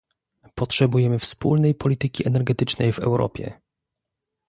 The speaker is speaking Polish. Potrzebujemy wspólnej polityki energetycznej w Europie